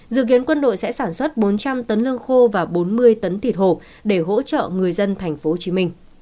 dự kiến quân đội sẽ sản xuất bốn trăm linh tấn lương khô và bốn mươi tấn thịt hồ để hỗ trợ người dân tp hcm